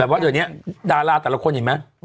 แต่ว่าเดี๋ยวนี้ดาราแต่ละคนเห็นไหม